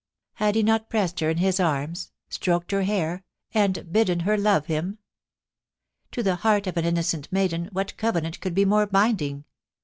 Had he not pressed her in his arms, stroked her hair, and bidden her love him ? To the heart of an innocent maiden what covenant could be more binding